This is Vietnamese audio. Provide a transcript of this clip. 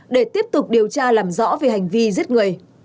để tiếp tục điều tra làm rõ về hành vi giết người